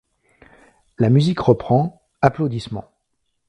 La musique reprend, applaudissements...